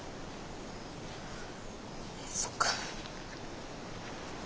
そっか。